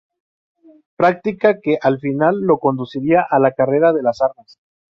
Práctica que al final lo conduciría a la carrera de las armas.